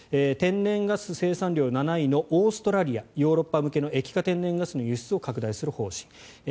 天然ガス生産量７位のオーストラリアヨーロッパ向けの液化天然ガスの輸出を拡大する方針です。